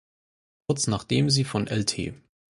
Kurz nachdem sie von Lt.